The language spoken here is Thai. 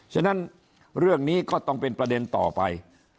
ฉะนั้นเรื่องนี้ก็ต้องเป็นประเด็นต่อไป